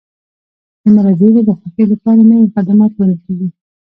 د مراجعینو د خوښۍ لپاره نوي خدمات وړاندې کیږي.